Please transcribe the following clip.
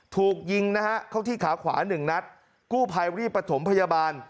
ถูกยิงนะฮะเข้าที่ขาขวาหนึ่งนัดกู้ภัยรีบประถมพยาบาล